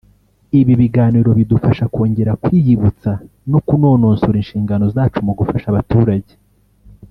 ibi biganiro bidufasha kongera kwiyibutsa no kunononsora inshingano zacu mu gufasha abaturage